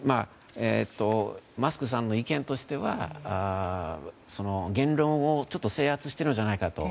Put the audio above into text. マスクさんの意見としては言論を制圧しているんじゃないかと。